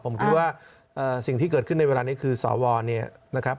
ผมคิดว่าสิ่งที่เกิดขึ้นในเวลานี้คือสวเนี่ยนะครับ